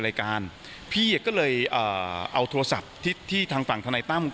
รายการพี่ก็เลยเอ่อเอาโทรศัพท์ที่ที่ทางฝั่งธนายตั้ม